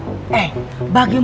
bagaimana kalau murid pertugasnya